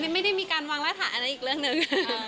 ไม่ได้มีการวางราฐานอันนั้นอีกเรื่องหนึ่ง